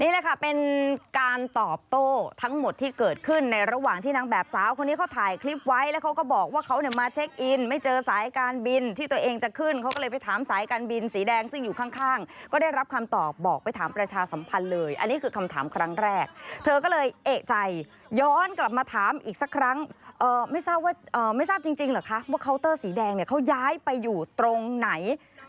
นี่แหละค่ะเป็นการตอบโต้ทั้งหมดที่เกิดขึ้นในระหว่างที่นางแบบสาวคนนี้เขาถ่ายคลิปไว้แล้วเขาก็บอกว่าเขาเนี่ยมาเช็คอินไม่เจอสายการบินที่ตัวเองจะขึ้นเขาก็เลยไปถามสายการบินสีแดงซึ่งอยู่ข้างก็ได้รับคำตอบบอกไปถามประชาสัมพันธ์เลยอันนี้คือคำถามครั้งแรกเธอก็เลยเอกใจย้อนกลับมาถามอีกสักครั้งไม่ทราบว่าไม่ทราบจริงเหรอคะว่าเคาน์เตอร์สีแดงเนี่ยเขาย้ายไปอยู่ตรงไหน